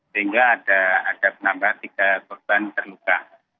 sehingga ada penambahan tiga korban terluka